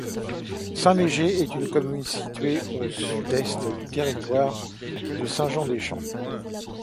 Saint-Léger est une commune située au sud-ouest du territoire de Saint-Jean-des-Champs.